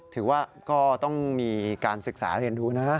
ถือว่าก็ต้องมีการศึกษาเรียนรู้นะ